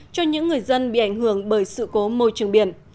cho những người dân bị ảnh hưởng bởi sự cố môi trường biển